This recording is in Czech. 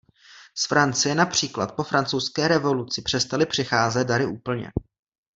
Z Francie například po francouzské revoluci přestali přicházet dary úplně.